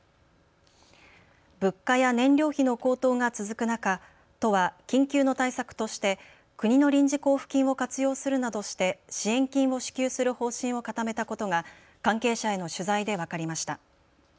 物価や燃料費の高騰が続く中、都は緊急の対策として国の臨時交付金を活用するなどして支援金を支給する方針を固めたことが関係者への取材で分かりました。